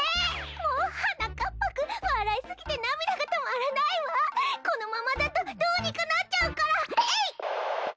もうはなかっぱくんわらいすぎてなみだがとまらないわこのままだとどうにかなっちゃうからえいっ！